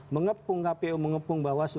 mengepung kpu mengepung bawaslu